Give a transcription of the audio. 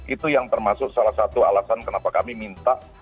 itu yang termasuk salah satu alasan kenapa kami minta